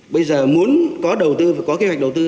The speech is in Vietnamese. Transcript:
bây giờ muốn có đầu tư phải có kế hoạch đầu tư